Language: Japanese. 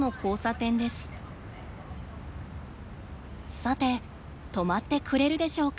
さて止まってくれるでしょうか。